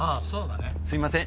すいません。